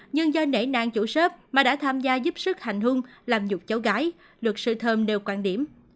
nhưng do nể nang chủ sớp mà đã tham gia giúp sức hành hung làm nhục cháu gái luật sư thơm nêu quan điểm